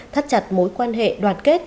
thắt chặt mối quan hệ đoàn kết